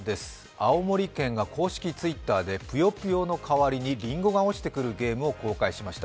青森県が公式Ｔｗｉｔｔｅｒで「ぷよぷよ」の代わりにりんごが落ちてくるゲームを公開しました。